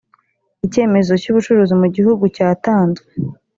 icyemezo cy’ubucuruzi mu gihugu cyatanzwe